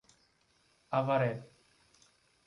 Avaré